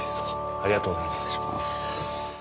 ありがとうございます。